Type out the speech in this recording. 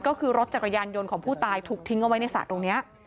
ก็คือรถจักรยานยนต์ของผู้ตายถูกทิ้งเอาไว้ในสระตรงนี้